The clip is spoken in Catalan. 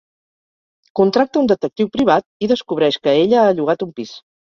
Contracta un detectiu privat i descobreix que ella ha llogat un pis.